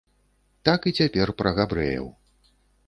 Так і цяпер пра габрэяў.